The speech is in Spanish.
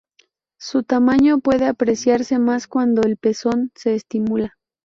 Su tamaño puede apreciarse más cuando el pezón se estimula.